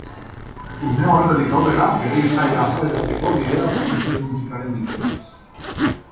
Une horretatik aurrera, bere izaera azalerazteko bidea aurkitu zuen musikaren bitartez.